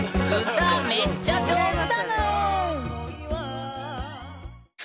歌めっちゃ上手だぬん！